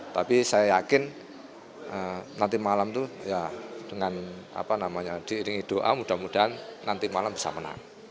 tapi saya yakin nanti malam itu ya dengan apa namanya diiringi doa mudah mudahan nanti malam bisa menang